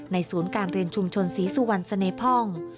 ในศูนย์การเรียนชุมชนและศรีสุวรรณสเนพอง